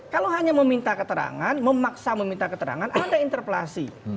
kalau hanya meminta keterangan memaksa meminta keterangan ada interpelasi